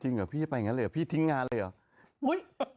จริงอะนะพี่ทิ้งงานเลยหรือ